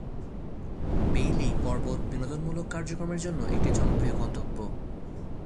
Baillie পর্বত বিনোদনমূলক কার্যক্রমের জন্য একটি জনপ্রিয় গন্তব্য।